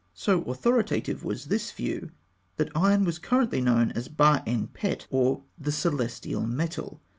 So authoritative was this view, that iron was currently known as "Ba en pet," or the celestial metal.